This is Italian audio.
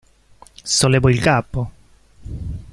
Sollevò il capo.